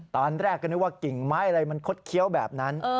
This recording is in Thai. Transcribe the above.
ตอนแรกก็นึกว่ากิ่งไม้อะไรมันคดเคี้ยวแบบนั้น